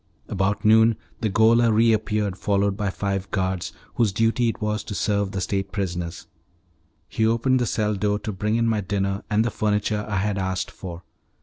About noon the gaoler reappeared followed by five guards, whose duty it was to serve the state prisoners. He opened the cell door to bring in my dinner and the furniture I had asked for.